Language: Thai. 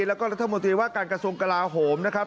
แล้วก็รัฐมนตรีว่าการกระทรวงกลาโหมนะครับ